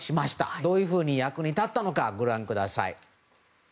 どういうふうに役に立ったのかご覧ください。